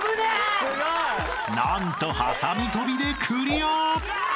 ［何とはさみ跳びでクリア］